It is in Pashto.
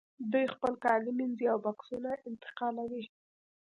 دوی خپل کالي مینځي او بکسونه انتقالوي